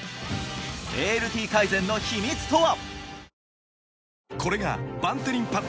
ＡＬＴ改善の秘密とは？